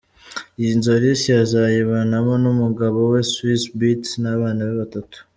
Iyi nzu Alicia azayibanamo n’umugabo we Swizz Beatz n’abana be batatu.